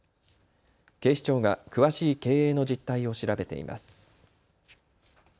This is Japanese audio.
警視庁が詳しい経営の実態を調べています。